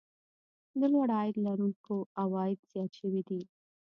د لوړ عاید لرونکو عوايد زیات شوي دي